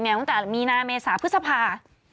ตั้งแต่มีนาเมษาพฤษภา